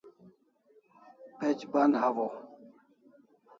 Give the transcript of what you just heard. Page ban hawaw